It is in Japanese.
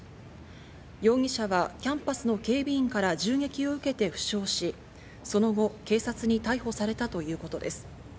容疑者はキャンパスの警備員から銃撃を受けて負傷し、その後、警察に逮捕されたということです。